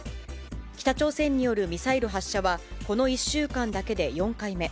北朝鮮によるミサイル発射は、この１週間だけで４回目。